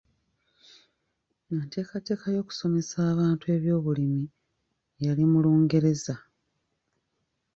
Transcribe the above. Enteekateeka y'okusomesa abantu ebyobulimi yali mu Lungereza.